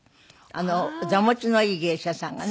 座持ちのいい芸者さんがね。